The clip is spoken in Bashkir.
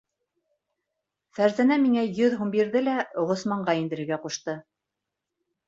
Фәрзәнә миңә йөҙ һум бирҙе лә Ғосманға индерергә ҡушты.